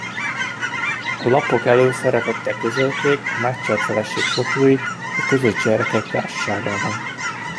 A lapok előszeretettel közölték a megcsalt feleség fotóit a közös gyerekek társaságában.